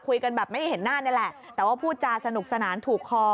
คุยกันแบบไม่เห็นหน้านี่แหละแต่ว่าพูดจาสนุกสนานถูกคอ